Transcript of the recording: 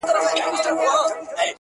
گرانه دا اوس ستا د ځوانۍ په خاطر~